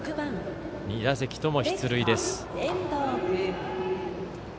２打席とも出塁です。